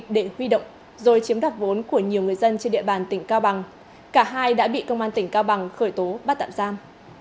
để huy động rồi chiếm đặt vốn của nhiều người dân trên địa bàn tỉnh cao bằng cả hai đã bị công an tỉnh cao bằng khởi tố bắt tạm giam